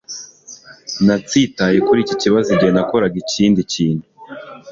Natsitaye kuri iki kibazo igihe nakoraga ikindi kintu.